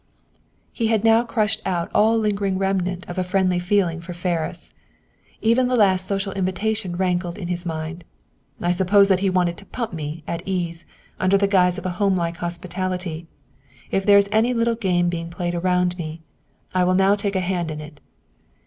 He had now crushed out all lingering remnant of a friendly feeling for Ferris. Even the last social invitation rankled in his mind. "I suppose that he wanted to pump me, at ease, under the guise of a homelike hospitality. If there is any little game being played around me, I will now take a hand in it."